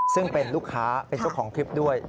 ซึ่งเป็นลูกค้าเป็นเจ้าของคลิปด้วย